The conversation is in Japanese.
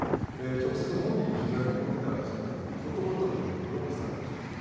直接本人に取材を試みたんですけど、ことごとくブロックされました